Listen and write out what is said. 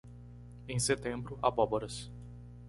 Em setembro, abóboras.